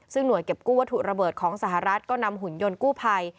ซึ่งหน่วยเก็บกู้วัตถุระเบิดของสหรัฐก็นำหุ่นยนต์กู้ภัย